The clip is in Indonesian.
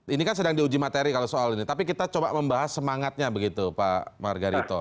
ini kan sedang diuji materi kalau soal ini tapi kita coba membahas semangatnya begitu pak margarito